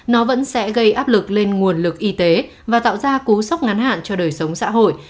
nó vẫn sẽ gây áp lực lên nguồn lực y tế và tạo ra cú sốc ngắn hạn cho đời sống xã hội